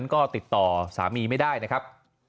ก็ติดต่อสามีไม่ได้นะครับ